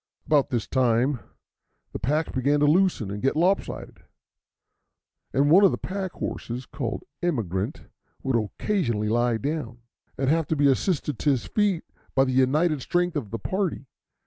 About this time the packs began to loosen and get lopsided, and one of the pack horses, called Emigrant, would occasionally lie down, and have to be assisted to his feet by the united strength of the party.